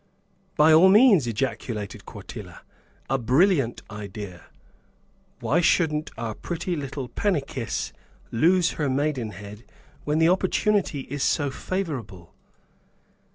"By all means," ejaculated Quartilla, "a brilliant idea! Why shouldn't our pretty little Pannychis lose her maidenhead when the opportunity is so favorable?"